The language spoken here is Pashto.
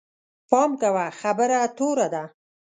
پام کوه، خبره توره ده